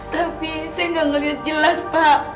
tapi saya nggak melihat jelas pak